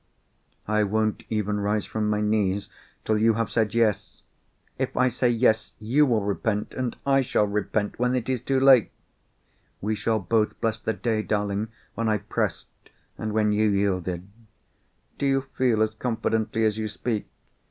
"I won't even rise from my knees, till you have said yes!" "If I say yes you will repent, and I shall repent, when it is too late!" "We shall both bless the day, darling, when I pressed, and when you yielded." "Do you feel as confidently as you speak?"